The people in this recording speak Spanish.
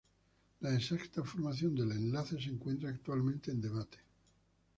La exacta formación del enlace se encuentra actualmente en debate.